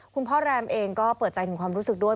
แรมเองก็เปิดใจถึงความรู้สึกด้วย